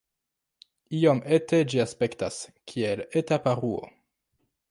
Iom ete ĝi aspektas, kiel eta paruo.